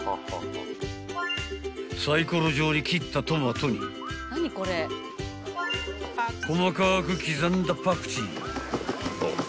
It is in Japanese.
［さいころ状に切ったトマトに細かく刻んだパクチー］